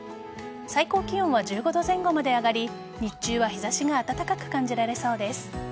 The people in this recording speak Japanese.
最高気温は１５度前後まで上がり日中は日差しが暖かく感じられそうです。